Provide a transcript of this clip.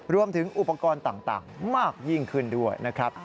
รวมถึงอุปกรณ์ต่างมากยิ่งขึ้นด้วยนะครับ